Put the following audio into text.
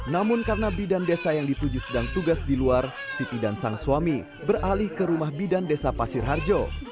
namun karena bidan desa yang dituju sedang tugas di luar siti dan sang suami beralih ke rumah bidan desa pasir harjo